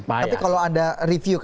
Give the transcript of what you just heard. payah tapi kalau ada review